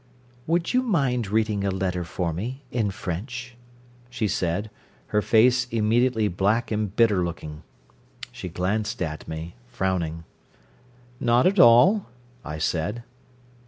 "Would you mind reading a letter for me, in French?" she said, her face immediately black and bitter looking. She glanced at me, frowning. "Not at all," I said.